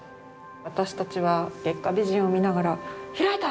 私たちは月下美人を見ながら「開いた！